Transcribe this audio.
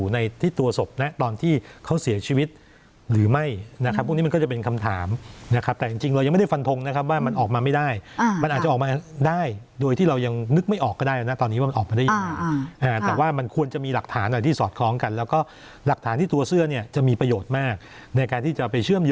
ในที่ตัวศพนะตอนที่เขาเสียชีวิตหรือไม่นะครับพวกนี้มันก็จะเป็นคำถามนะครับแต่จริงเรายังไม่ได้ฟันทงนะครับว่ามันออกมาไม่ได้มันอาจจะออกมาได้โดยที่เรายังนึกไม่ออกก็ได้นะตอนนี้ว่ามันออกมาได้ยังไงแต่ว่ามันควรจะมีหลักฐานอะไรที่สอดคล้องกันแล้วก็หลักฐานที่ตัวเสื้อเนี่ยจะมีประโยชน์มากในการที่จะไปเชื่อม